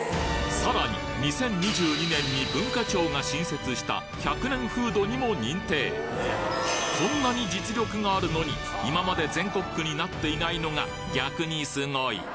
さらに２０２２年に文化庁が新設したこんなに実力があるのに今まで全国区になっていないのが逆にスゴイ！